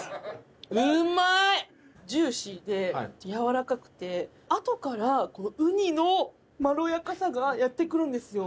ジューシーで軟らかくて後からウニのまろやかさがやって来るんですよ。